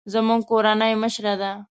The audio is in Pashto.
زموږ کورنۍ مشره ده